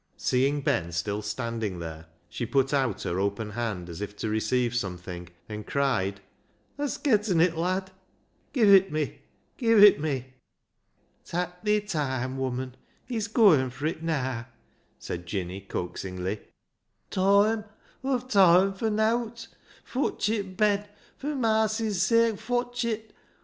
Seeing Ben still standing there, she put out her open hand as if to receive something, and cried —" Hast getten it, lad ? Give it me ; give it me!" '' Tak' thi toime, woman ; he's gooin' fur it naa !" said Jinny coaxingly. " Toime ! Aw've toime fur nowt. Fotch it, Ben ; fur marcy's sake fotch it.